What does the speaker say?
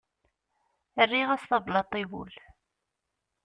Rriɣ-as tablaḍt i wul.